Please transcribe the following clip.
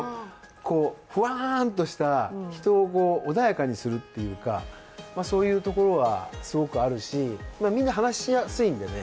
ふわんとした、人を穏やかにするというか、そういうところがすごくあるしみんな話しやすいんでね、